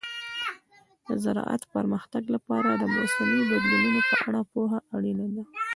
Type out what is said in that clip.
د زراعت پرمختګ لپاره د موسمي بدلونونو په اړه پوهه اړینه ده.